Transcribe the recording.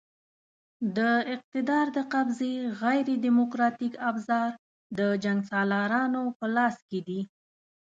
د اقتدار د قبضې غیر دیموکراتیک ابزار د جنګسالارانو په لاس کې دي.